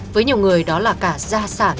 với nhiều người đó là cả gia sản